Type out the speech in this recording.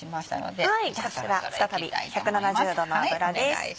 こちら再び１７０℃の油です。